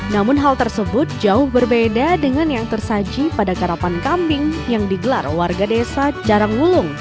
namun hal tersebut jauh berbeda dengan yang tersaji pada karapan kambing yang digelar warga desa jarang wulung